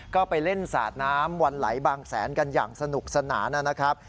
ก็ไปเล่นสาดน้ำวันไหลบางแสนกันอย่างสนุกสนานนะครับ